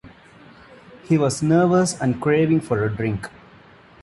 He was nervous and craving for a drink.